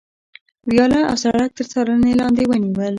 ویاله او سړک تر څارنې لاندې ونیول.